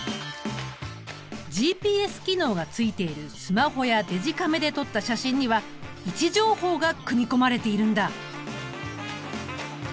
ＧＰＳ機能がついているスマホやデジカメで撮った写真には位置情報が組み込まれているんだ。